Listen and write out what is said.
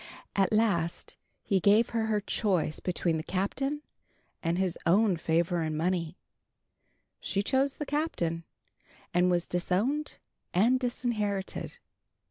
At last he gave her her choice between the Captain and his own favor and money. She chose the Captain, and was disowned and disinherited.